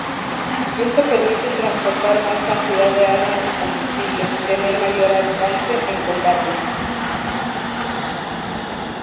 Esto permite transportar más cantidad de armas y combustible, tener mayor alcance en combate.